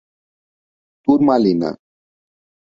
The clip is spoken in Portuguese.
Turmalina